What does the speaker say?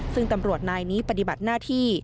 ซึ่งตำรวจนายนี้ปฏิบัติหน้าที่